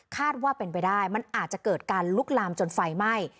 ว่าเป็นไปได้มันอาจจะเกิดการลุกลามจนไฟไหม้